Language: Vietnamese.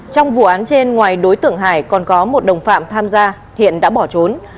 trong vụ án trên ngoài đối tượng hải còn có một đồng phạm tham gia hiện đã bỏ trốn